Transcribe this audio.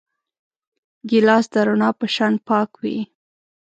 ګیلاس د رڼا په شان پاک وي.